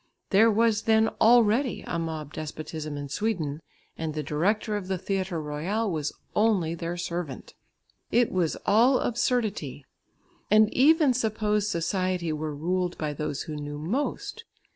There was then already a mob despotism in Sweden, and the director of the Theatre Royal was only their servant. It was all absurdity! And even suppose society were ruled by those who knew most.